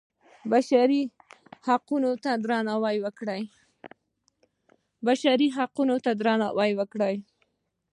بشري حقونو ته درناوی وکړئ